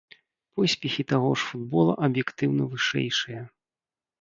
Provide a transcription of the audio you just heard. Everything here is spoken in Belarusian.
Поспехі таго ж футбола аб'ектыўна вышэйшыя.